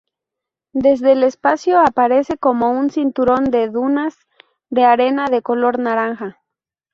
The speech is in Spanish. Desde el espacio aparece como un cinturón de dunas de arena de color naranja.